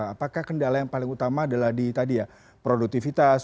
apakah kendala yang paling utama adalah di tadi ya produktivitas